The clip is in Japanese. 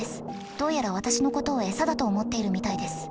どうやら私のことを餌だと思っているみたいです。